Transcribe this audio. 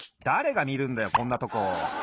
だれがみるんだよこんなとこ。